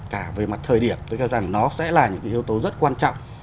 cả về mặt thời điểm tôi cho rằng nó sẽ là những yếu tố rất quan trọng